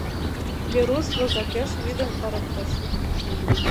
Веруш возакеш вӱдым ырыктыш.